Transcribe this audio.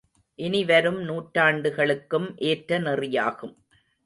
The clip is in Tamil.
இனிவரும் நூற்றாண்டுகளுக்கும் ஏற்ற நெறியாகும்.